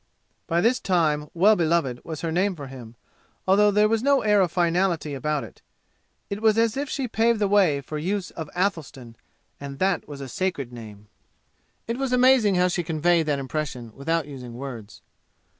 By this time Well beloved was her name for him, although there was no air of finality about it. It was as if she paved the way for use of Athelstan and that was a sacred name. It was amazing how she conveyed that impression without using words.